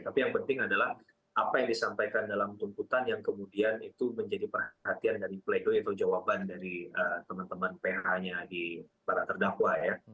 tapi yang penting adalah apa yang disampaikan dalam tuntutan yang kemudian itu menjadi perhatian dari pledoi atau jawaban dari teman teman ph nya di para terdakwa ya